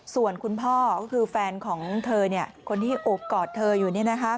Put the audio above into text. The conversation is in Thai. ส่วนคุณพ่อก็คือแฟนของเธอคนที่โอบกอดเธออยู่